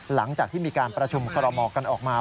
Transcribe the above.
หลังจากที่มีการประชุมคอรมอกันออกมา